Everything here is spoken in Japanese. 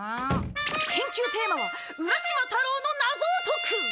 研究テーマは「浦島太郎の謎を解く」！